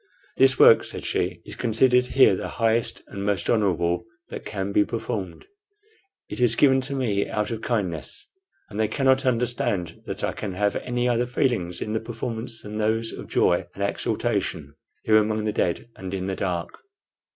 "This work," said she, "is considered here the highest and most honorable that can be performed. It is given to me out of kindness, and they cannot understand that I can have any other feelings in the performance than those of joy and exultation here among the dead and in the dark."